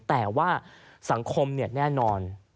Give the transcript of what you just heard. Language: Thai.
แต่ว่าสังคมเนี่ยแน่นอน